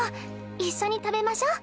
一緒に食べましょ。